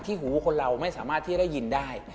หูคนเราไม่สามารถที่ได้ยินได้